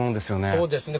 そうですね。